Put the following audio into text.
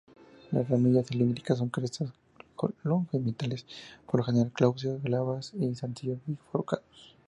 Las ramillas cilíndricas, con crestas longitudinales, por lo general glaucas, glabras; con zarcillos bifurcados.